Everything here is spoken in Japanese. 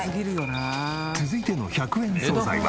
続いての１００円惣菜は？